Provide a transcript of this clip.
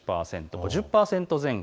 ５０％前後。